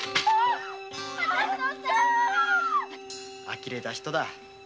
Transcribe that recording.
あきれた人だ。